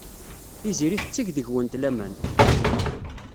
Tiziri tetteg deg-went laman.